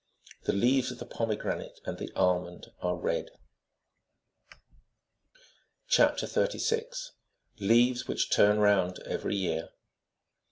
The leaves of the pomegranate and the almond are red. CHAP. 36. LEAVES WHICH TURN ROUND EVERY YEAR.